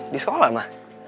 di sekolah ma